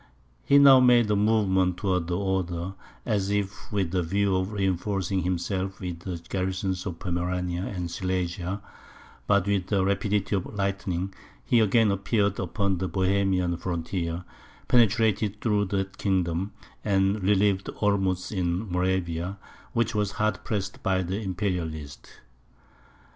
He now made a movement towards the Oder, as if with the view of reinforcing himself with the garrisons of Pomerania and Silesia; but, with the rapidity of lightning, he again appeared upon the Bohemian frontier, penetrated through that kingdom, and relieved Olmutz in Moravia, which was hard pressed by the Imperialists.